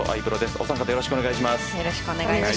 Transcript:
お三方、よろしくお願いします。